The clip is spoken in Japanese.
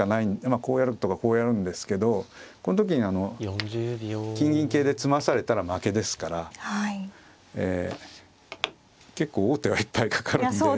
まあこうやるとかこうやるんですけどこの時に金銀桂で詰まされたら負けですから結構王手がいっぱいかかるんで。